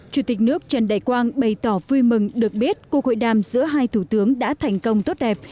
chủ tịch nước trần đại quang bày tỏ vui mừng được biết cuộc hội đàm giữa hai thủ tướng đã thành công tốt đẹp